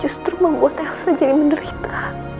justru membuat elsa jadi menderita